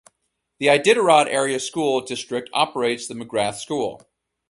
The Iditarod Area School District operates the McGrath School.